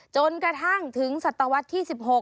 จนกระทั่งถึงสตวรรษที่๑๖